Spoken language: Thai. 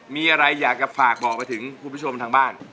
มีอะไรอยากจะฝากบอกไปถึงคุณผู้ชมทางบ้าน